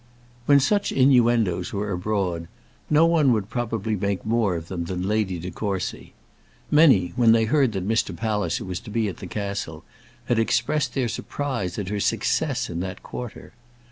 When such innuendoes were abroad, no one would probably make more of them than Lady De Courcy. Many, when they heard that Mr. Palliser was to be at the castle, had expressed their surprise at her success in that quarter.